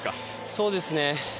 そうですね。